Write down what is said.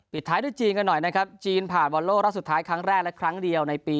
ท้ายด้วยจีนกันหน่อยนะครับจีนผ่านบอลโลกรอบสุดท้ายครั้งแรกและครั้งเดียวในปี๒